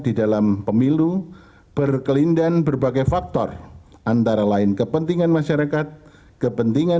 di dalam pemilu berkelindahan berbagai faktor antara lain kepentingan masyarakat kepentingan